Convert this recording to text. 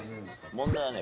問題はね